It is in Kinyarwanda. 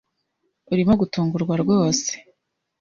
Urimo gutungurwa rwose.